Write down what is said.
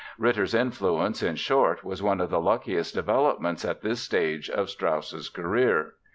Ritter's influence, in short, was one of the luckiest developments at this stage of Strauss's career.